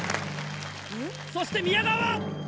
そして宮川は。